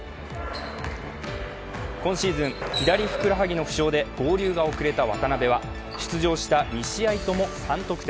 今シーズン左ふくらはぎの負傷で合流が遅れた渡邊は出場した２試合とも３得点。